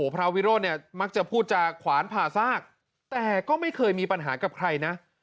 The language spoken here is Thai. พระวิโรธเนี่ยมักจะพูดจาขวานผ่าซากแต่ก็ไม่เคยมีปัญหากับใครนะ